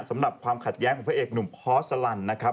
สำหรับความขัดแย้งของพระเอกหนุ่มพอร์ชอันนนะครับ